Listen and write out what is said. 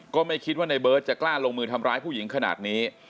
ก็ไม่คิดว่าในเบิร์ตจะกล้าลงมือทำร้ายผู้หญิงขนาดนี้